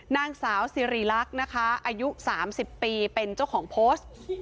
นางสาวสิริรักษ์นะคะอายุ๓๐ปีเป็นเจ้าของโพสต์